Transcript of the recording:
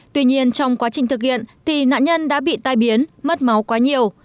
tuy nhiên trong quá trình thực hiện thì nạn nhân đã bị tai biến mất máu quá nhiều